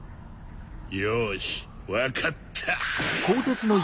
よし分かった！